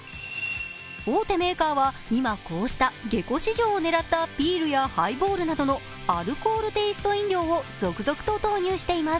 大手メーカーは、今こうしたゲコ市場を狙ったビールやハイボールなどのアルコールテースト飲料を続々と投入しています。